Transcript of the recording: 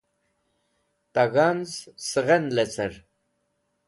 ta g̃hanz seghen lecar